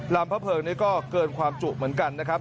ลำพระเพิงนี่ก็เกินความจุเหมือนกันนะครับ